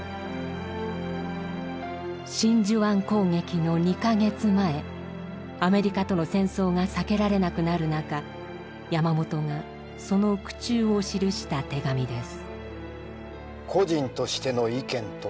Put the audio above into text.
真珠湾攻撃の２か月前アメリカとの戦争が避けられなくなる中山本がその苦衷を記した手紙です。